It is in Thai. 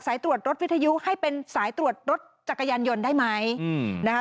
ตรวจรถวิทยุให้เป็นสายตรวจรถจักรยานยนต์ได้ไหมอืมนะคะ